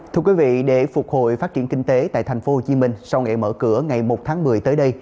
thưa quý vị để phục hồi phát triển kinh tế tại tp hcm sau ngày mở cửa ngày một tháng một mươi tới đây